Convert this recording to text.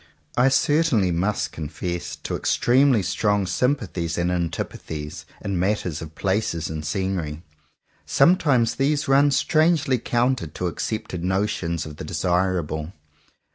I certainly must confess to extremely strong sympathies and antipathies in the matter of places and scenery. Sometimes these run strangely counter to accepted notions of the desirable.